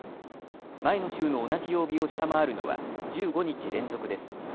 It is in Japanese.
前の週の同じ曜日を下回るのは１５日連続です。